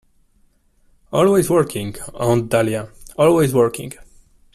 Always working, Aunt Dahlia, always working.